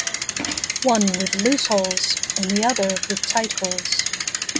One with loose holes, and the other with tight holes.